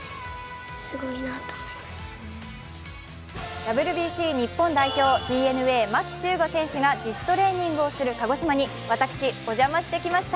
ＷＢＣ日本代表、ＤｅＮＡ・牧秀悟選手が自主トレーニングをする鹿児島に私、お邪魔してきました。